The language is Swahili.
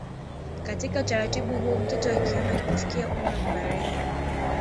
Katika utaratibu huo mtoto wa kiume anapofikia umri wa kubalehe